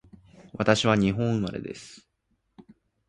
私は日本生まれです